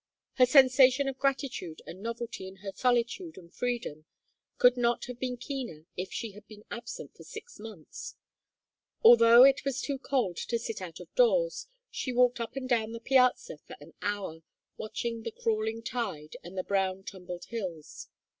Her sensation of gratitude and novelty in her solitude and freedom could not have been keener if she had been absent for six months. Although it was too cold to sit out of doors, she walked up and down the piazza for an hour, watching the crawling tide and the brown tumbled hills.